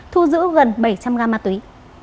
thu giữ gần bảy trăm linh gram ma túy